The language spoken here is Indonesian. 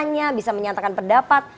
bisa tanya bisa menyatakan pendapat